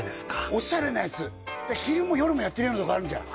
オシャレなやつ昼も夜もやってるようなとこあるじゃん？